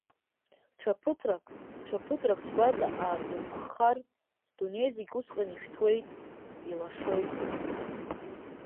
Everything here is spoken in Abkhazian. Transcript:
Ҽа ԥыҭрак, ҽа ԥыҭрак сгәаҵа аабырххар, сдунеи зегь усҟан ишәҭуеит, илашоит…